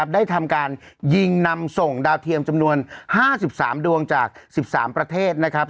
ได้ทำการยิงนำส่งดาวเทียมจำนวน๕๓ดวงจาก๑๓ประเทศนะครับ